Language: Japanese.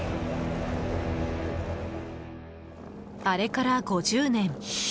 あれから５０年。